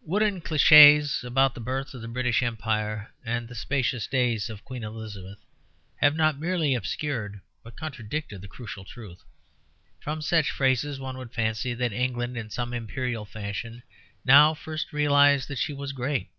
Wooden clichés about the birth of the British Empire and the spacious days of Queen Elizabeth have not merely obscured but contradicted the crucial truth. From such phrases one would fancy that England, in some imperial fashion, now first realized that she was great.